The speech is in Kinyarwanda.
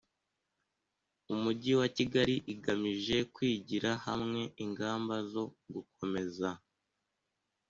umujyi wa kigali igamije kwigira hamwe ingamba zo gukomeza